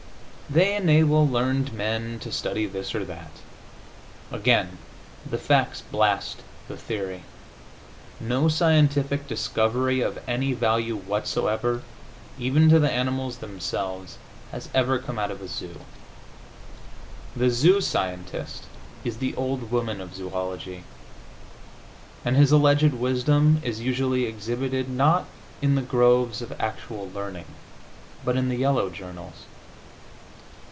They enable learned men to study this or that. Again the facts blast the theory. No scientific discovery of any value whatsoever, even to the animals themselves, has ever come out of a zoo. The zoo scientist is the old woman of zoology, and his alleged wisdom is usually exhibited, not in the groves of actual learning, but in the yellow journals.